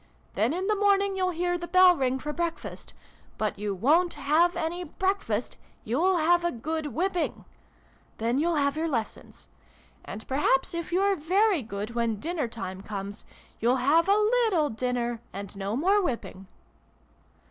Then in the morning you'll hear the bell ring for breakfast. But you wont have any breakfast ! You'll have a good whipping ! Then you'll have your lessons. And, perhaps, if you're very good, when dinner time comes, you'll have a little dinner, and no more whipping